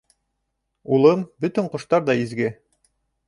— Улым, бөтөн ҡоштар ҙа изге.